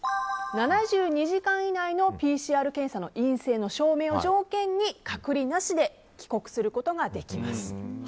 ７２時間以内のＰＣＲ検査の陰性の証明を条件に隔離なしで帰国することができます。